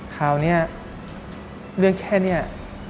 คราวเนี่ยเรื่องแค่เนี่ย